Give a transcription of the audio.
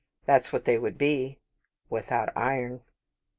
That's what they would be, without iron.